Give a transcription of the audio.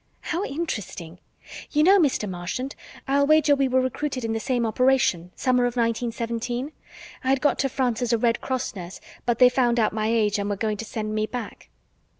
"How interesting. You know, Mr. Marchant, I'll wager we were Recruited in the same operation, summer of 1917. I'd got to France as a Red Cross nurse, but they found out my age and were going to send me back."